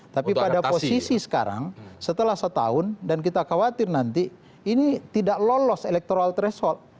tapi pada posisi sekarang setelah setahun dan kita khawatir nanti ini tidak lolos electoral threshold